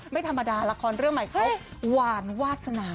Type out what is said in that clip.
ไม่ธรรมดาละครเรื่องใหม่เขาหวานวาสนา